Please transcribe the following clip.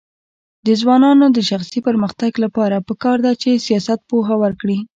د ځوانانو د شخصي پرمختګ لپاره پکار ده چې سیاست پوهه ورکړي.